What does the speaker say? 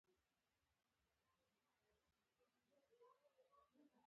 په منځنیو پیړیو کې د زده کړو مرکزونو پراختیا ومونده.